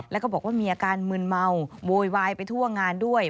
แล้วก็บอกว่ามีอาการมืนเมาโวยวายไปทั่วงานด้วย